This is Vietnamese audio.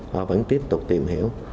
họ vẫn tiếp tục tìm hiểu